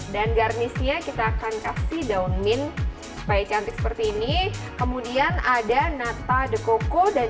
dan garnisnya kita akan kasih daun mint supaya cantik seperti ini kemudian ada nata de coco dan